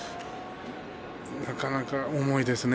なかなか重いですね